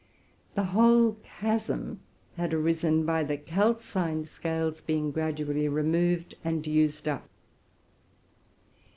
The whole chasm has arisen by the calcined scales being gradually removed and used up.